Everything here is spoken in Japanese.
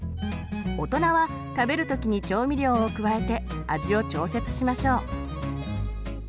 大人は食べる時に調味料を加えて味を調節しましょう。